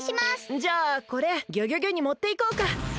じゃあこれギョギョギョにもっていこうか！